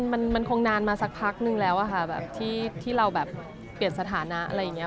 มันคงนานมาสักพักนึงแล้วอะค่ะแบบที่เราแบบเปลี่ยนสถานะอะไรอย่างนี้